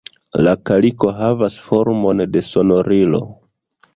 La kaliko havas formon de sonorilo.